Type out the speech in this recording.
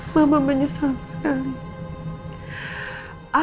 mama menyesal sekali